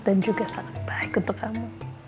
dan juga sangat baik untuk kamu